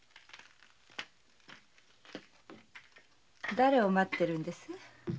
だれを待ってるんです？